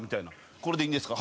「これでいいんですか？」